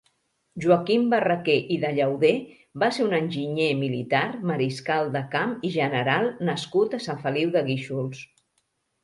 Joaquim Barraquer i de Llauder va ser un enginyer militar, mariscal de camp i general nascut a Sant Feliu de Guíxols.